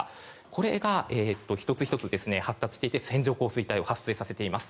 これが１つ１つ、発達していって線状降水帯を発生させています。